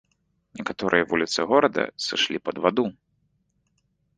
Некаторыя вуліцы горада сышлі пад ваду.